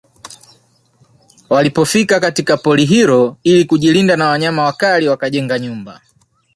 Walipofika katika pori hilo ili kujilinda na wanyama wakali wakajenga nyumba